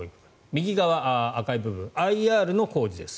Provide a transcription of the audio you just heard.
右側、赤い部分ＩＲの工事です。